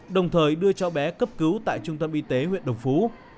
đồng thời đưa cháu bé cấp cứu tại trung tâm y tế huyện đồng phú